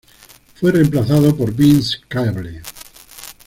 Fue reemplazado por Vince Cable.